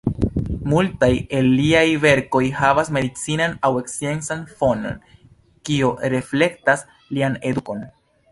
Multaj el liaj verkoj havas medicinan aŭ sciencan fonon kio reflektas lian edukon.